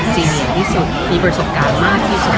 จริงอย่างที่สุดมีประสบการณ์มากที่สุด